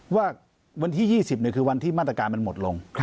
ว่าวันที่๒๐คือวันที่มาตรการมันหมดลง